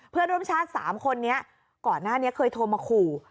เพื่อนร่วมชาติ๓คนนี้ก่อนหน้านี้เคยโทรมาขู่